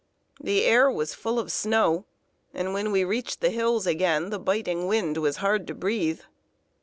The air was full of snow, and when we reached the hills again, the biting wind was hard to breathe.